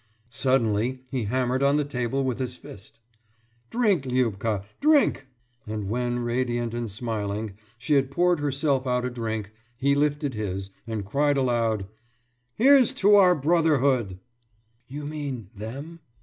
Suddenly he hammered on the table with his fist. »Drink, Liubka! Drink!« And when, radiant and smiling, she had poured herself out a glass, he lifted his, and cried aloud. »Here's to our Brotherhood!« »You mean Them?